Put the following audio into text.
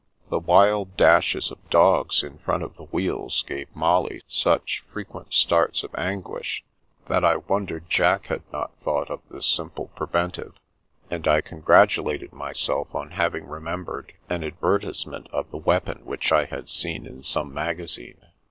The wild dashes of dogs in front of the wheels gave Molly such frequent starts of anguish, that I won dered Jack had not thought of this simple preven tive, and I congratulated myself on having remem bered an advertisement of the weapon which I had seen in some magazine.